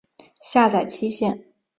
下载期限